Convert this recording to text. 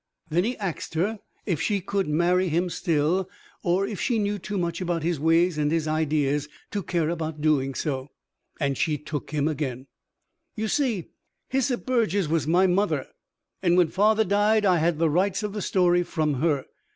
Then he axed her if she could marry him still, or if she knew too much about his ways and his ideas to care about doing so. And she took him again. You see, Hyssop Burges was my mother, and when father died I had the rights of the story from her.